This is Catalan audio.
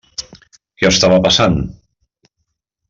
Què estava passant?